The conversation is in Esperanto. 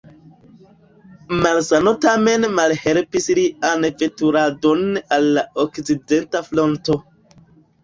Malsano tamen malhelpis lian veturadon al la Okcidenta Fronto.